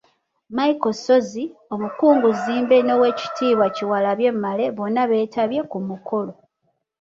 Michael Ssozi, Omukungu Zzimbe n’Oweekitiibwa Kyewalabye Male bonna beetabye ku mukolo.